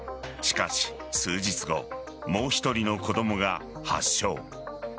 しかし数日後、もう１人の子供が発症。